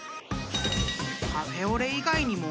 ［カフェオレ以外にも］